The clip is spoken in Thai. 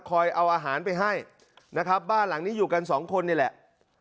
เอาอาหารไปให้นะครับบ้านหลังนี้อยู่กันสองคนนี่แหละ